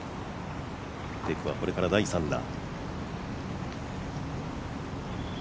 ペクはこれから第３打。